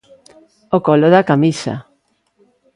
O colo da camisa.